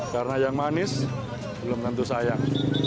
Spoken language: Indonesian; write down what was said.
karena yang manis belum tentu sayang